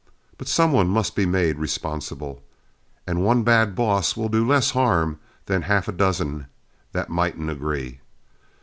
But some one must be made responsible, and one bad boss will do less harm than half a dozen that mightn't agree.